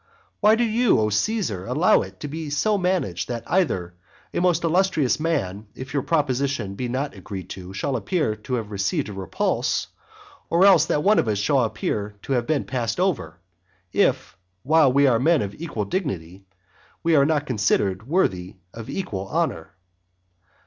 Why do you, O Caesar, allow it to be so managed that either a most illustrious man, if your proposition be not agreed too, shall appear to have received a repulse, or else that one of us shall appear to have been passed over, if, while we are men of equal dignity, we are not considered worthy of equal honour?